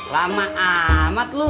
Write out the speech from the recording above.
lama amat lu